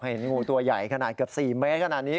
เห็นงูตัวใหญ่ขนาดเกือบ๔เมตรขนาดนี้